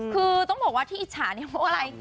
คือต้องบอกแบบตรงการอิจฉาอะไร